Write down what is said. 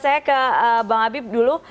saya ke bang habib dulu